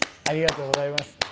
ありがとうございます。